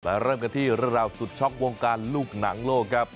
เริ่มกันที่เรื่องราวสุดช็อกวงการลูกหนังโลกครับ